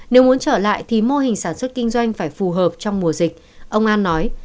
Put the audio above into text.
nếu muốn trở lại thì mô hình sản xuất kinh doanh phải phù hợp trong mùa dịch ông an nói